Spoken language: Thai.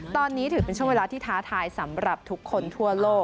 ตอนนี้ถือเป็นช่วงเวลาที่ท้าทายสำหรับทุกคนทั่วโลก